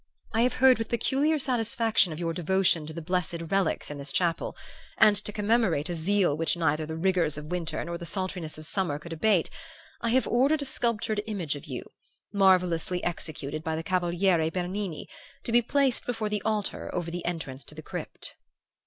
I have heard with peculiar satisfaction of your devotion to the blessed relics in this chapel, and to commemorate a zeal which neither the rigors of winter nor the sultriness of summer could abate I have ordered a sculptured image of you, marvellously executed by the Cavaliere Bernini, to be placed before the altar over the entrance to the crypt.